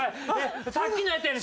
さっきのやつやれ。